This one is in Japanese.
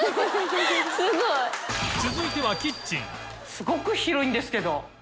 すごく広いんですけど。